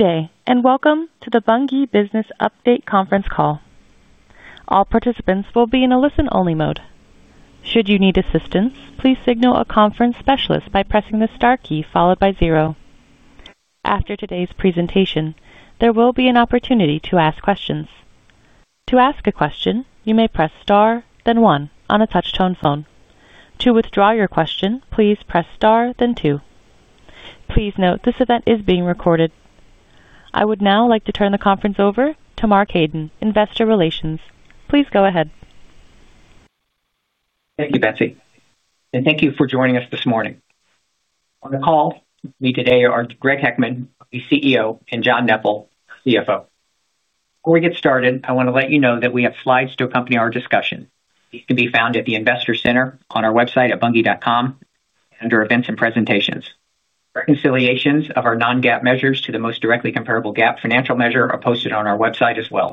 Today, and welcome to the Bunge business update conference call. All participants will be in a listen-only mode. Should you need assistance, please signal a conference specialist by pressing the star key followed by zero. After today's presentation, there will be an opportunity to ask questions. To ask a question, you may press star, then one on a touch-tone phone. To withdraw your question, please press star, then two. Please note this event is being recorded. I would now like to turn the conference over to Mark Haden, Head of Investor Relations. Please go ahead. Thank you, Betsy. Thank you for joining us this morning. On the call with me today are Greg Heckman, the CEO, and John Neppl, CFO. Before we get started, I want to let you know that we have slides to accompany our discussion. These can be found at the Investor Center on our website at bunge.com and under Events and Presentations. Reconciliations of our non-GAAP measures to the most directly comparable GAAP financial measure are posted on our website as well.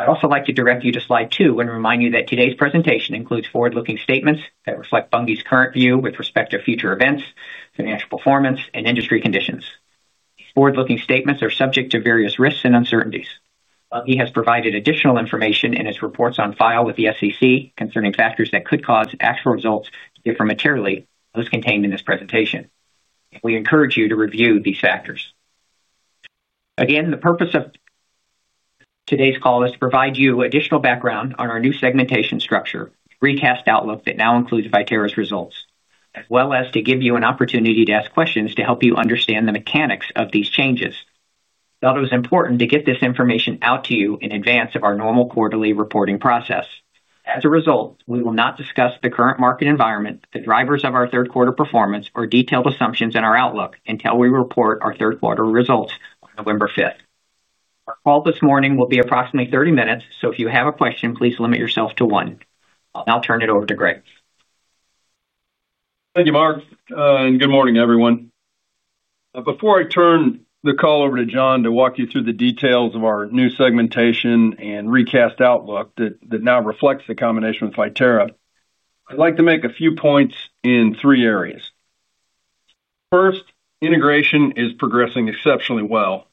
I’d also like to direct you to slide two and remind you that today’s presentation includes forward-looking statements that reflect Bunge’s current view with respect to future events, financial performance, and industry conditions. These forward-looking statements are subject to various risks and uncertainties. Bunge has provided additional information in its reports on file with the SEC concerning factors that could cause actual results to differ materially from those contained in this presentation. We encourage you to review these factors. The purpose of today’s call is to provide you additional background on our new segmentation structure, the recast outlook that now includes Viterra’s results, as well as to give you an opportunity to ask questions to help you understand the mechanics of these changes. We felt it was important to get this information out to you in advance of our normal quarterly reporting process. As a result, we will not discuss the current market environment, the drivers of our third-quarter performance, or detailed assumptions in our outlook until we report our third-quarter results on November 5th.Our call this morning will be approximately 30 minutes, so if you have a question, please limit yourself to one. I’ll now turn it over to Greg. Thank you, Mark, and good morning, everyone. Before I turn the call over to John to walk you through the details of our new segmentation and recast outlook that now reflects the combination with Viterra, I'd like to make a few points in three areas. First, integration is progressing exceptionally well.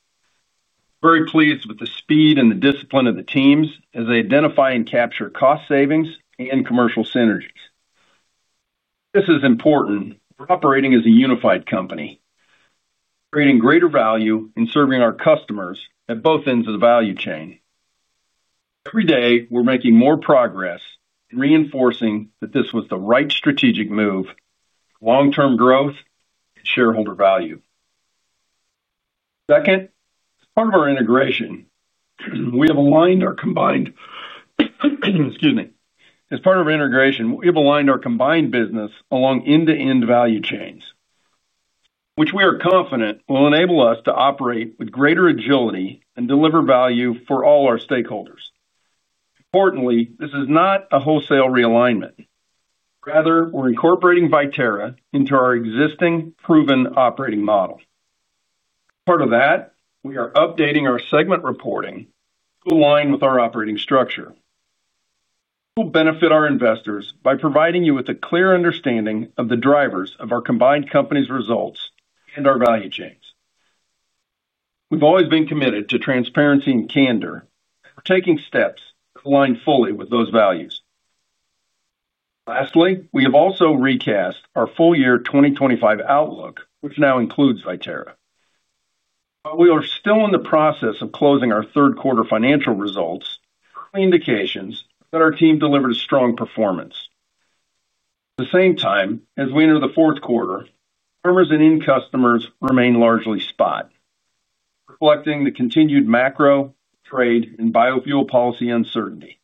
I'm very pleased with the speed and the discipline of the teams as they identify and capture cost savings and commercial synergies. This is important. We're operating as a unified company, creating greater value and serving our customers at both ends of the value chain. Every day, we're making more progress and reinforcing that this was the right strategic move for long-term growth and shareholder value. Second, as part of our integration, we have aligned our combined business along end-to-end value chains, which we are confident will enable us to operate with greater agility and deliver value for all our stakeholders. Importantly, this is not a wholesale realignment. Rather, we're incorporating Viterra into our existing proven operating model. As part of that, we are updating our segment reporting to align with our operating structure. This will benefit our investors by providing you with a clear understanding of the drivers of our combined company's results and our value chains. We've always been committed to transparency and candor, and we're taking steps to align fully with those values. Lastly, we have also recast our full-year 2025 outlook, which now includes Viterra. While we are still in the process of closing our third-quarter financial results, there are indications that our team delivered a strong performance. At the same time, as we enter the fourth quarter, farmers and end customers remain largely spot, reflecting the continued macro, trade, and biofuel policy uncertainty.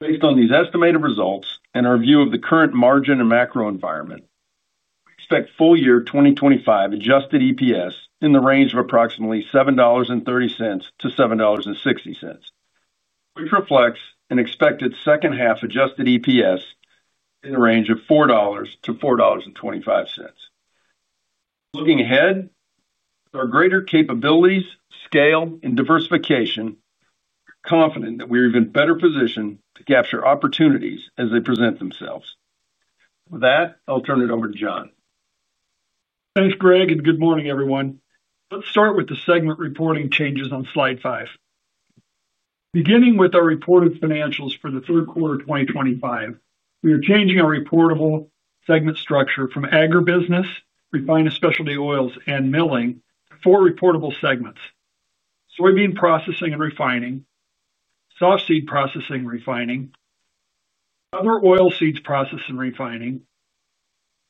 Based on these estimated results and our view of the current margin and macro environment, we expect full-year 2025 adjusted EPS in the range of approximately $7.30-$7.60, which reflects an expected second half adjusted EPS in the range of $4 to $4.25. Looking ahead, with our greater capabilities, scale, and diversification, we're confident that we are even better positioned to capture opportunities as they present themselves. With that, I'll turn it over to John. Thanks, Greg, and good morning, everyone. Let's start with the segment reporting changes on slide five. Beginning with our reported financials for the third quarter of 2025, we are changing our reportable segment structure from agribusiness, refined, and specialty oils, and milling to four reportable segments: soybean processing and refining, soft seed processing and refining, other oil seeds processing and refining,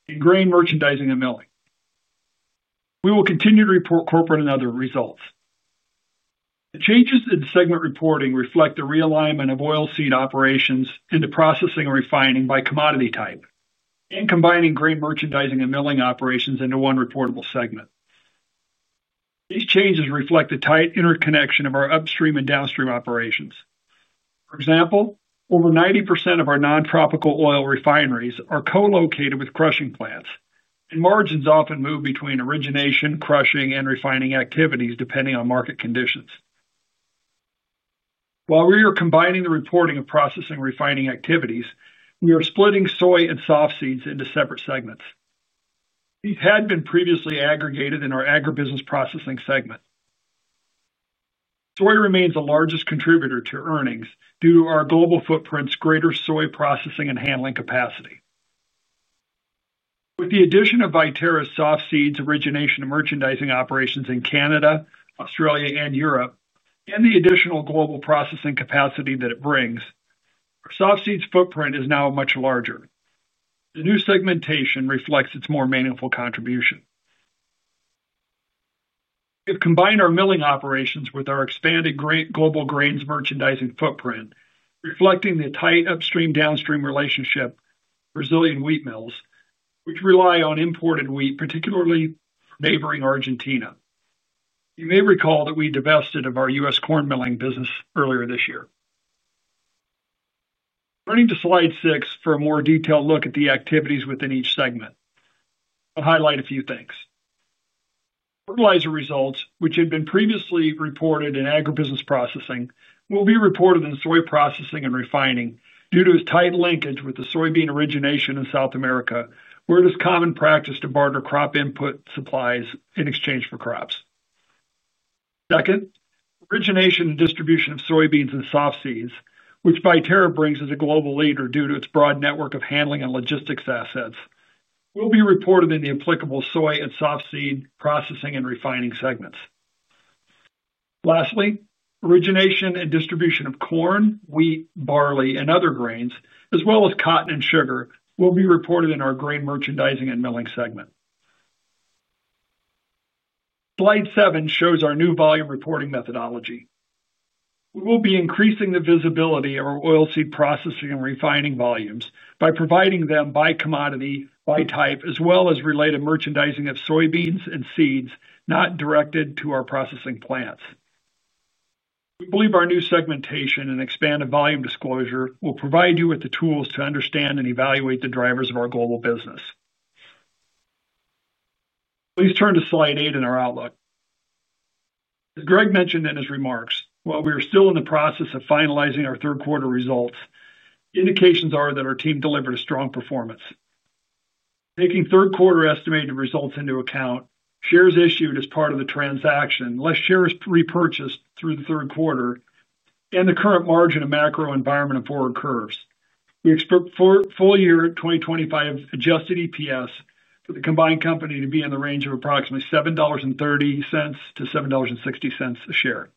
and grain merchandising and milling. We will continue to report corporate and other results. The changes in segment reporting reflect the realignment of oil seed operations into processing and refining by commodity type and combining grain merchandising and milling operations into one reportable segment. These changes reflect the tight interconnection of our upstream and downstream operations. For example, over 90% of our non-tropical oil refineries are co-located with crushing plants, and margins often move between origination, crushing, and refining activities depending on market conditions. While we are combining the reporting of processing and refining activities, we are splitting soy and soft seeds into separate segments. These had been previously aggregated in our agribusiness processing segment. Soy remains the largest contributor to earnings due to our global footprint's greater soy processing and handling capacity. With the addition of Viterra's soft seeds, origination, and merchandising operations in Canada, Australia, and Europe, and the additional global processing capacity that it brings, our soft seeds footprint is now much larger. The new segmentation reflects its more meaningful contribution. We have combined our milling operations with our expanded global grains merchandising footprint, reflecting the tight upstream-downstream relationship with Brazilian wheat mills, which rely on imported wheat, particularly from neighboring Argentina. You may recall that we divested of our U.S. corn milling business earlier this year. Turning to slide six for a more detailed look at the activities within each segment, I'll highlight a few things. Fertilizer results, which had been previously reported in agribusiness processing, will be reported in soy processing and refining due to its tight linkage with the soybean origination in South America, where it is common practice to barter crop input supplies in exchange for crops. Second, origination and distribution of soybeans and soft seeds, which Viterra brings as a global leader due to its broad network of handling and logistics assets, will be reported in the applicable soy and soft seed processing and refining segments. Lastly, origination and distribution of corn, wheat, barley, and other grains, as well as cotton and sugar, will be reported in our grain merchandising and milling segment. Slide seven shows our new volume reporting methodology. We will be increasing the visibility of our oilseed processing and refining volumes by providing them by commodity, by type, as well as related merchandising of soybeans and seeds not directed to our processing plants. We believe our new segmentation and expanded volume disclosure will provide you with the tools to understand and evaluate the drivers of our global business. Please turn to slide eight in our outlook. As Greg Heckman mentioned in his remarks, while we are still in the process of finalizing our third-quarter results, the indications are that our team delivered a strong performance. Taking third-quarter estimated results into account, shares issued as part of the transaction, less shares repurchased through the third quarter, and the current margin and macro environment of forward curves, we expect full-year 2025 adjusted EPS for the combined company to be in the range of approximately $7.30-$7.60 a share.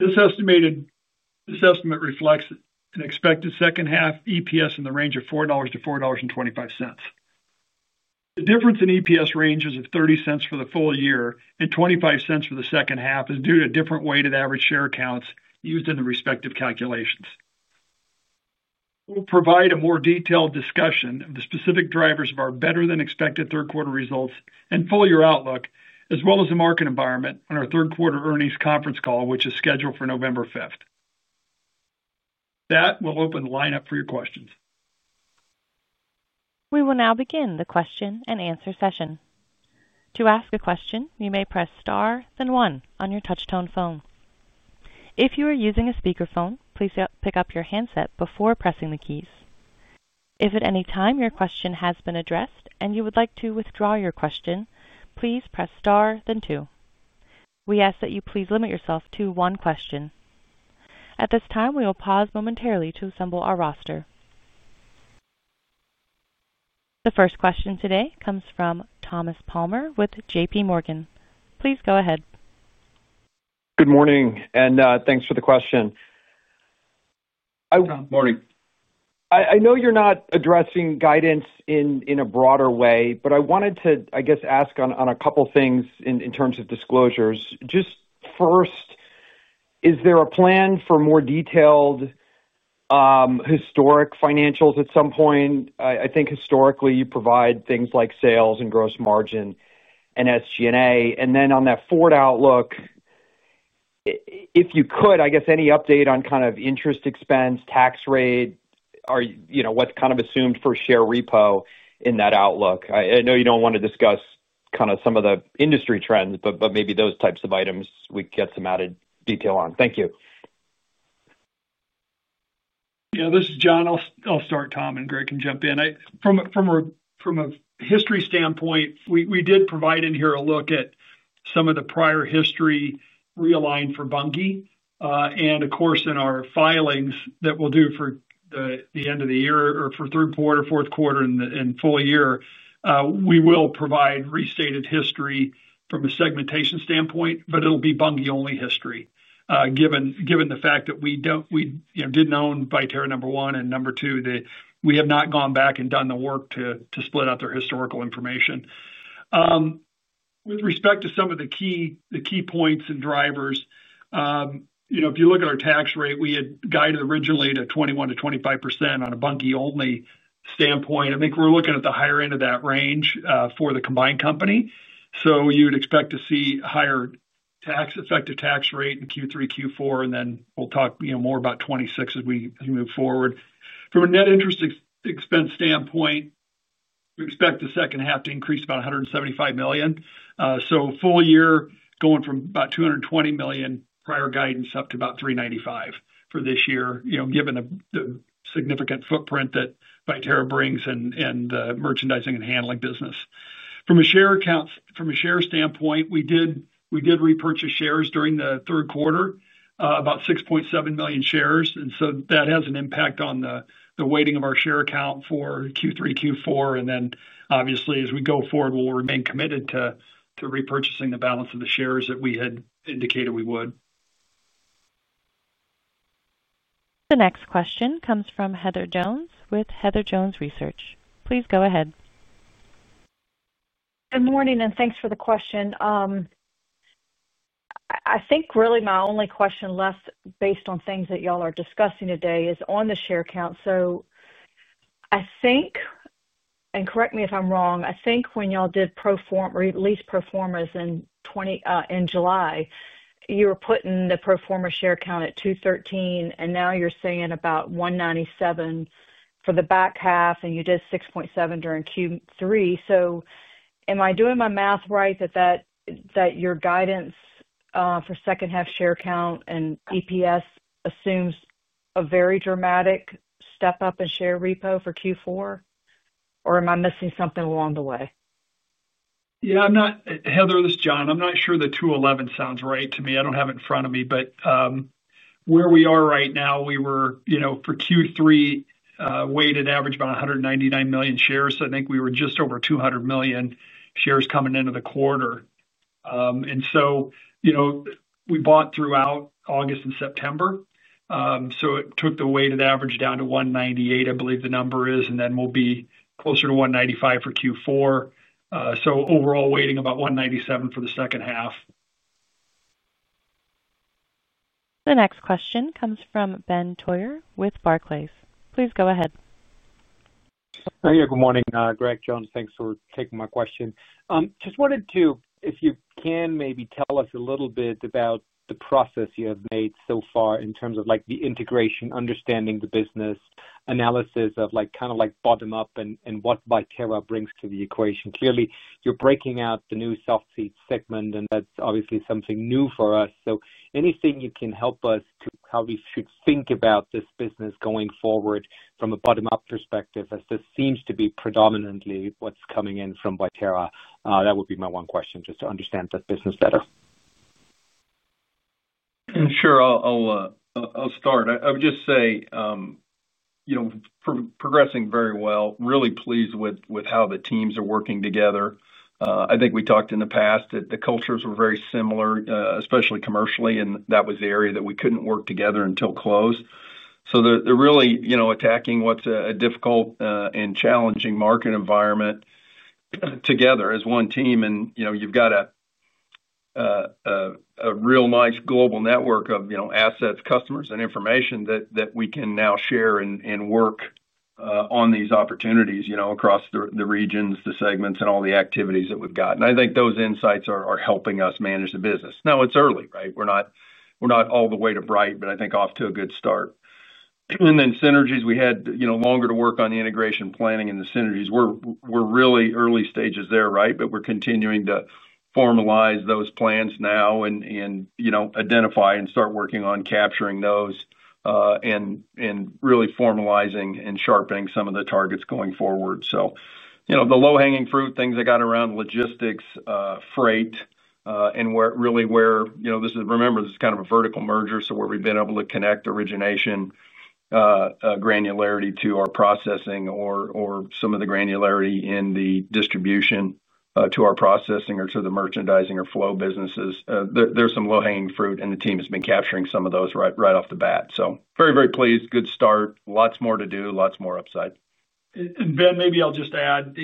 This estimate reflects an expected second half EPS in the range of $4.00-$4.25. The difference in EPS ranges of $0.30 for the full year and $0.25 for the second half is due to different weighted average share counts used in the respective calculations. We will provide a more detailed discussion of the specific drivers of our better-than-expected third-quarter results and full-year outlook, as well as the market environment on our third-quarter earnings conference call, which is scheduled for November 5th. That will open the lineup for your questions. We will now begin the question and answer session. To ask a question, you may press star, then one on your touch-tone phone. If you are using a speakerphone, please pick up your handset before pressing the keys. If at any time your question has been addressed and you would like to withdraw your question, please press star, then two. We ask that you please limit yourself to one question. At this time, we will pause momentarily to assemble our roster. The first question today comes from Thomas Palmer with JPMorgan. Please go ahead. Good morning, and thanks for the question. Morning. I know you're not addressing guidance in a broader way, but I wanted to ask on a couple of things in terms of disclosures. First, is there a plan for more detailed historic financials at some point? I think historically you provide things like sales and gross margin and SG&A. On that forward outlook, if you could, any update on kind of interest expense, tax rate, or what's assumed for share repo in that outlook? I know you don't want to discuss some of the industry trends, but maybe those types of items we could get some added detail on. Thank you. Yeah. This is John. I'll start, Tom, and Greg can jump in. From a history standpoint, we did provide in here a look at some of the prior history realigned for Bunge. In our filings that we'll do for the end of the year or for third quarter, fourth quarter, and full year, we will provide restated history from a segmentation standpoint, but it'll be Bunge-only history, given the fact that we didn't own Viterra, number one. Number two, we have not gone back and done the work to split up their historical information. With respect to some of the key points and drivers, if you look at our tax rate, we had guided originally to 21%-25% on a Bunge-only standpoint. I think we're looking at the higher end of that range for the combined company. You'd expect to see a higher effective tax rate in Q3, Q4. We'll talk more about 2026 as we move forward. From a net interest expense standpoint, we expect the second half to increase about $175 million. Full year going from about $220 million, prior guidance, up to about $395 million for this year, given the significant footprint that Viterra brings and the merchandising and handling business. From a share count, from a share standpoint, we did repurchase shares during the third quarter, about 6.7 million shares. That has an impact on the weighting of our share count for Q3, Q4. Obviously, as we go forward, we'll remain committed to repurchasing the balance of the shares that we had indicated we would. The next question comes from Heather Jones with Heather Jones Research. Please go ahead. Good morning, and thanks for the question. I think really my only question left, based on things that y'all are discussing today, is on the share count. I think, and correct me if I'm wrong, I think when y'all did pro forma or at least pro forma in July, you were putting the pro forma share count at 213, and now you're saying about 197 for the back half, and you did 6.7 during Q3. Am I doing my math right that your guidance for second half share count and EPS assumes a very dramatic step up in share repo for Q4? Am I missing something along the way? Yeah, I'm not Heather, this is John. I'm not sure the 211 sounds right to me. I don't have it in front of me. Where we are right now, we were, for Q3, weighted average about 199 million shares. I think we were just over 200 million shares coming into the quarter. We bought throughout August and September, so it took the weighted average down to 198, I believe the number is, and then we'll be closer to 195 for Q4. Overall weighting about 197 for the second half. The next question comes from Benjamin Theurer with Barclays. Please go ahead. Good morning. Greg, John, thanks for taking my question. Just wanted to, if you can, maybe tell us a little bit about the progress you have made so far in terms of the integration, understanding the business, analysis of kind of bottom-up and what Viterra brings to the equation. Clearly, you're breaking out the new soft seed segment, and that's obviously something new for us. Anything you can help us with on how we should think about this business going forward from a bottom-up perspective, as this seems to be predominantly what's coming in from Viterra, that would be my one question, just to understand this business better. Sure, I'll start. I would just say, you know, progressing very well. Really pleased with how the teams are working together. I think we talked in the past that the cultures were very similar, especially commercially, and that was the area that we couldn't work together until close. They're really attacking what's a difficult and challenging market environment together as one team. You've got a real nice global network of assets, customers, and information that we can now share and work on these opportunities across the regions, the segments, and all the activities that we've got. I think those insights are helping us manage the business. Now, it's early, right? We're not all the way to bright, but I think off to a good start. Synergies, we had longer to work on the integration planning and the synergies. We're really early stages there, right? We're continuing to formalize those plans now and identify and start working on capturing those, and really formalizing and sharpening some of the targets going forward. The low-hanging fruit, things that got around logistics, freight, and where it really, where, you know, this is, remember, this is kind of a vertical merger. Where we've been able to connect origination, granularity to our processing or some of the granularity in the distribution to our processing or to the merchandising or flow businesses, there's some low-hanging fruit, and the team has been capturing some of those right off the bat. Very, very pleased. Good start. Lots more to do. Lots more upside. Ben, maybe I'll just add,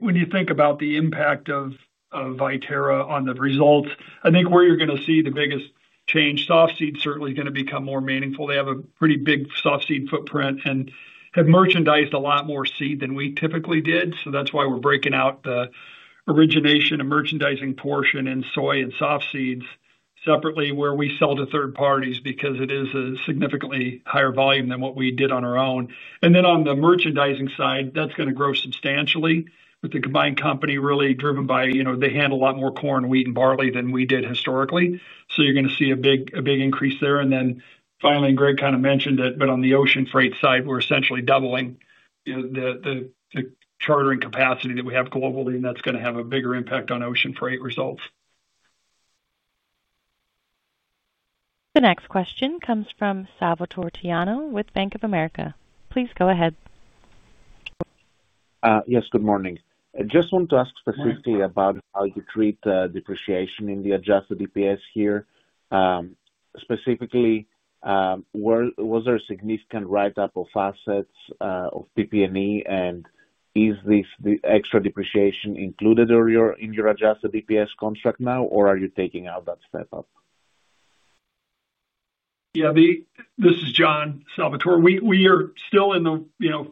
when you think about the impact of Viterra on the results, I think where you're going to see the biggest change, soft seed certainly is going to become more meaningful. They have a pretty big soft seed footprint and have merchandised a lot more seed than we typically did. That's why we're breaking out the origination and merchandising portion in soy and soft seeds separately where we sell to third parties, because it is a significantly higher volume than what we did on our own. On the merchandising side, that's going to grow substantially with the combined company, really driven by, you know, they handle a lot more corn, wheat, and barley than we did historically. You're going to see a big increase there. Finally, Greg kind of mentioned it, but on the ocean freight side, we're essentially doubling the chartering capacity that we have globally, and that's going to have a bigger impact on ocean freight results. The next question comes from Salvator Tiano with Bank of America. Please go ahead. Yes, good morning. I just want to ask specifically about how you treat the depreciation in the adjusted EPS here. Specifically, was there a significant write-up of assets of PP&E, and is this the extra depreciation included in your adjusted EPS construct now, or are you taking out that step up? We are still in the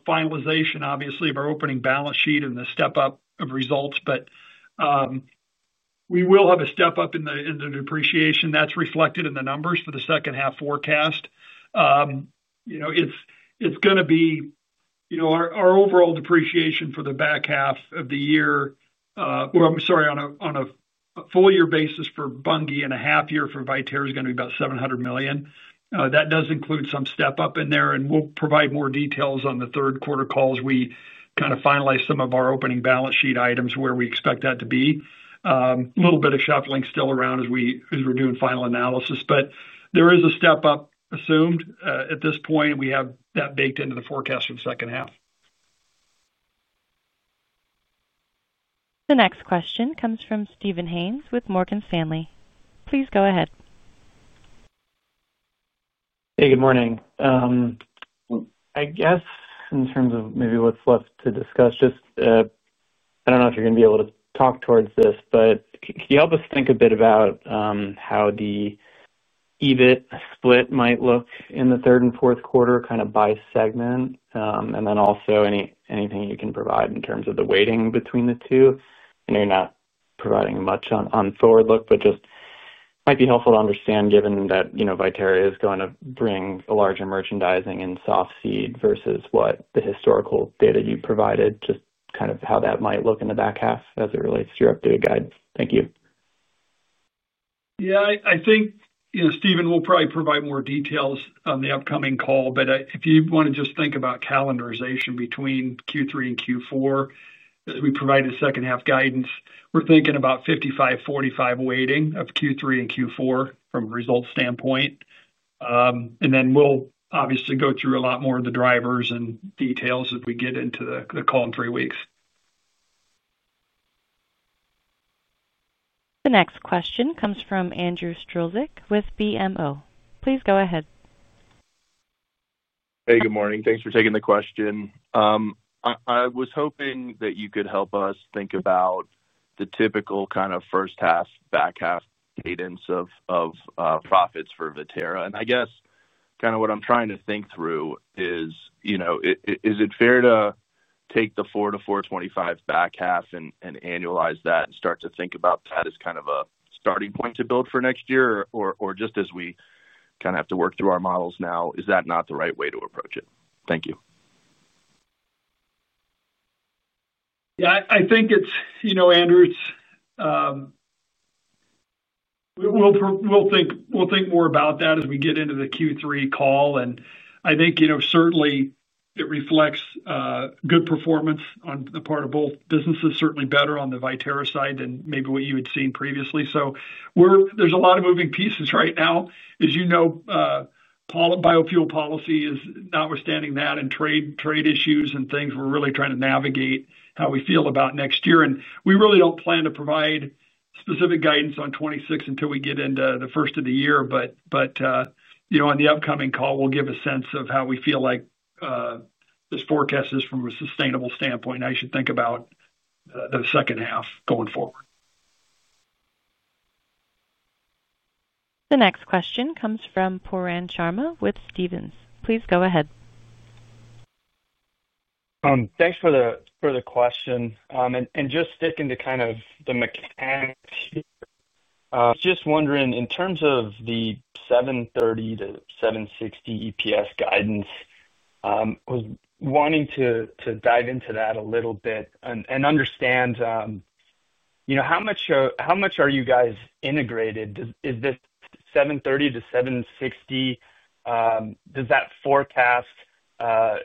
finalization, obviously, of our opening balance sheet and the step up of results. We will have a step up in the depreciation that's reflected in the numbers for the second half forecast. It's going to be our overall depreciation for the back half of the year, or I'm sorry, on a full-year basis for Bunge and a half year for Viterra is going to be about $700 million. That does include some step up in there. We'll provide more details on the third quarter calls as we finalize some of our opening balance sheet items where we expect that to be. A little bit of shuffling still around as we're doing final analysis. There is a step up assumed at this point, and we have that baked into the forecast for the second half. The next question comes from Steven Haynes with Morgan Stanley. Please go ahead. Hey, good morning. I guess in terms of maybe what's left to discuss, I don't know if you're going to be able to talk towards this, but can you help us think a bit about how the EBIT split might look in the third and fourth quarter kind of by segment? Also, anything you can provide in terms of the weighting between the two. I know you're not providing much on forward look, but just might be helpful to understand given that Viterra is going to bring a larger merchandising and soft seed versus what the historical data you provided, just kind of how that might look in the back half as it relates to your updated guide. Thank you. Yeah, I think Stephen will probably provide more details on the upcoming call. If you want to just think about calendarization between Q3 and Q4, we provide a second half guidance. We're thinking about 55/45 weighting of Q3 and Q4 from a result standpoint. We'll obviously go through a lot more of the drivers and details as we get into the call in three weeks. The next question comes from Andrew Strelzik with BMO. Please go ahead. Hey, good morning. Thanks for taking the question. I was hoping that you could help us think about the typical kind of first half, back half cadence of profits for Viterra. I guess what I'm trying to think through is, you know, is it fair to take the $4-$4.25 back half and annualize that and start to think about that as kind of a starting point to build for next year? Just as we have to work through our models now, is that not the right way to approach it? Thank you. Yeah, I think it's, you know, Andrew, we'll think more about that as we get into the Q3 call. I think, you know, certainly it reflects good performance on the part of both businesses, certainly better on the Viterra side than maybe what you had seen previously. There's a lot of moving pieces right now. As you know, biofuel policy is notwithstanding that, and trade issues and things, we're really trying to navigate how we feel about next year. We really don't plan to provide specific guidance on 2026 until we get into the first of the year. On the upcoming call, we'll give a sense of how we feel like this forecast is from a sustainable standpoint. I should think about the second half going forward. The next question comes from Pooran Sharma with Stephens. Please go ahead. Thanks for the question. Just sticking to kind of the mechanics here, I was just wondering, in terms of the $7.30-$7.60 adjusted EPS guidance, I was wanting to dive into that a little bit and understand, you know, how much are you guys integrated? Is this $7.30-$7.60? Does that forecast, does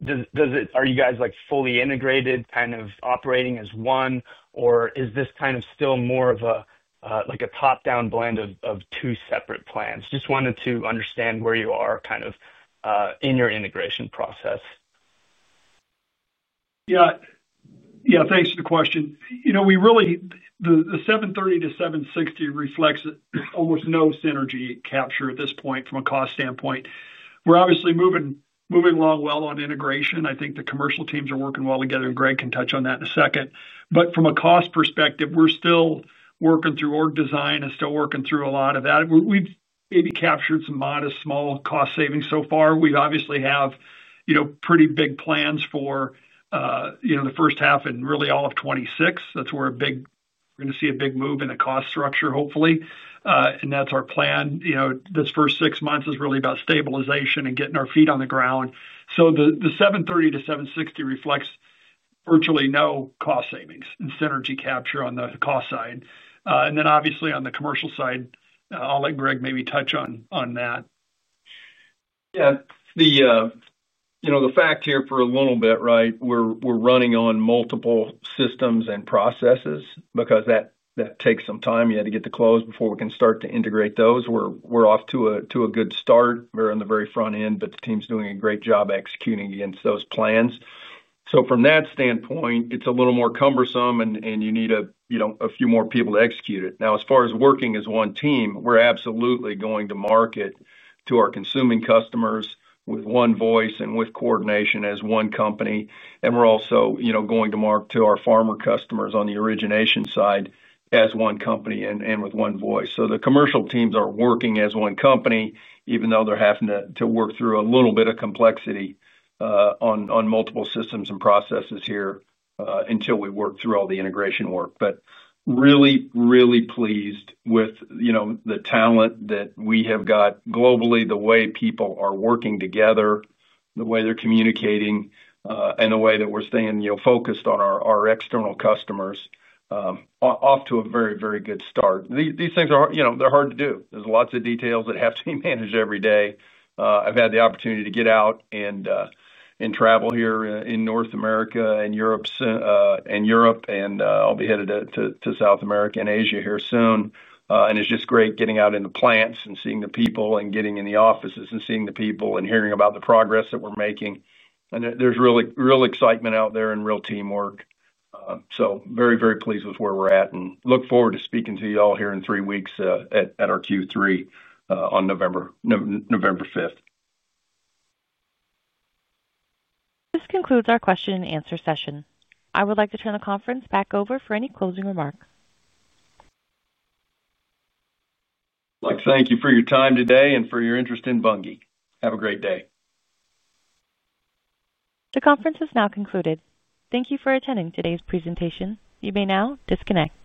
it, are you guys like fully integrated, kind of operating as one, or is this kind of still more of a top-down blend of two separate plans? Just wanted to understand where you are kind of in your integration process. Yeah, thanks for the question. You know, the $7.30-$7.60 reflects almost no synergy capture at this point from a cost standpoint. We're obviously moving along well on integration. I think the commercial teams are working well together, and Greg can touch on that in a second. From a cost perspective, we're still working through org design and still working through a lot of that. We've maybe captured some modest small cost savings so far. We obviously have pretty big plans for the first half and really all of 2026. That's where we're going to see a big move in the cost structure, hopefully. That's our plan. This first six months is really about stabilization and getting our feet on the ground. The $7.30-$7.60 reflects virtually no cost savings and synergy capture on the cost side. On the commercial side, I'll let Greg maybe touch on that. Yeah, the fact here for a little bit, right, we're running on multiple systems and processes because that takes some time to get to close before we can start to integrate those. We're off to a good start. We're in the very front end, but the team's doing a great job executing against those plans. From that standpoint, it's a little more cumbersome, and you need a few more people to execute it. Now, as far as working as one team, we're absolutely going to market to our consuming customers with one voice and with coordination as one company. We're also going to market to our farmer customers on the origination side as one company and with one voice. The commercial teams are working as one company, even though they're having to work through a little bit of complexity on multiple systems and processes here, until we work through all the integration work. Really, really pleased with the talent that we have got globally, the way people are working together, the way they're communicating, and the way that we're staying focused on our external customers, off to a very, very good start. These things are hard to do. There are lots of details that have to be managed every day. I've had the opportunity to get out and travel here in North America and Europe, and I'll be headed to South America and Asia here soon. It's just great getting out in the plants and seeing the people and getting in the offices and seeing the people and hearing about the progress that we're making. There's really real excitement out there and real teamwork. Very, very pleased with where we're at and look forward to speaking to you all here in three weeks, at our Q3, on November 5th. This concludes our question-and-answer session. I would like to turn the conference back over for any closing remarks. Thank you for your time today and for your interest in Bunge. Have a great day. The conference is now concluded. Thank you for attending today's presentation. You may now disconnect.